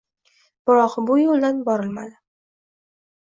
Biroq bu yo‘ldan borilmadi.